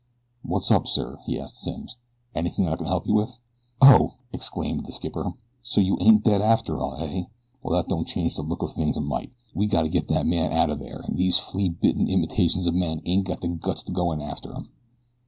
"What's up, sir?" he asked of Simms. "Anything that I can help you with?" "Oh!" exclaimed the skipper; "so you ain't dead after all, eh? Well that don't change the looks of things a mite. We gotta get that man outa there an' these flea bitten imitations of men ain't got the guts to go in after him."